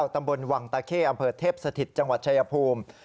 ตำบลวังตะเข้อำเภอเทพสถิตจังหวัดชายภูมิ